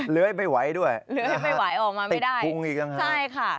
เลื้อยไปไหวด้วยติดกรุงอีกนะคะซ้ำดี